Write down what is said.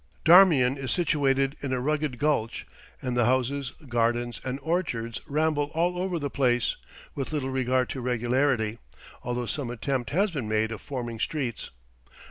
Darmian is situated in a rugged gulch, and the houses, gardens, and orchards ramble all over the place with little regard to regularity, although some attempt has been made at forming streets.